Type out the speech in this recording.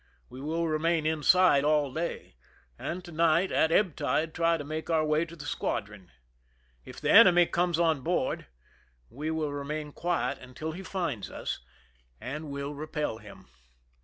We will remain inside all day, and to night at ebb tide try to make our way to the squadron. If the enemy comes on board, we will remain quiet until he finds us, and will repel him.